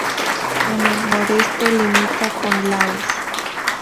En el noreste limita con Laos.